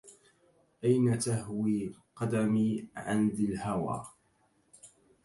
أين تهوي قدمي عن ذي الهوى